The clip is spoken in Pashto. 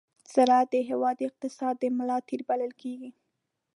ز راعت د هېواد د اقتصاد د ملا تېر بلل کېږي.